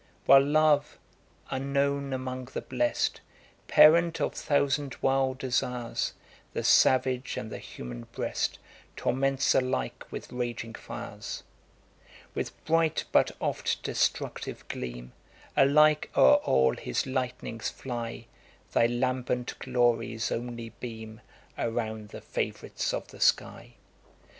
While love, unknown among the blest, Parent of thousand wild desires, The savage and the human breast Torments alike with raging fires; With bright, but oft destructive, gleam, Alike o'er all his lightnings fly; Thy lambent glories only beam Around the fav'rites of the sky.